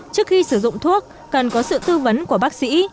trước khi sử dụng thuốc cần có sự tư vấn của bác sĩ